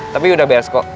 tapi udah bs kok